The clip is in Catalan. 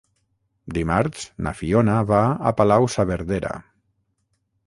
Dimarts na Fiona va a Palau-saverdera.